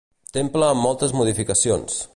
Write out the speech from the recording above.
Temple amb moltes modificacions.